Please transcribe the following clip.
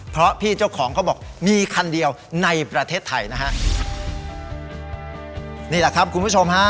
เพราะพี่เจ้าของเขาบอกมีคันเดียวในประเทศไทยนะฮะนี่แหละครับคุณผู้ชมฮะ